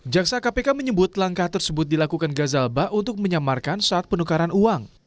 jaksa kpk menyebut langkah tersebut dilakukan gazal bak untuk menyamarkan saat penukaran uang